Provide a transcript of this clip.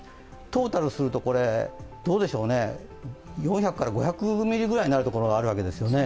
トータルすると４００５００ミリぐらいになるところがあるわけですよね。